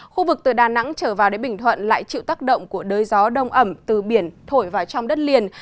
khu vực từ đà nẵng trở vào đến bình thuận lại chịu tác động của đới gió đông ẩm từ biển thổi vào trong đất liền